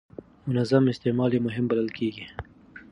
منظم استعمال یې مهم بلل کېږي.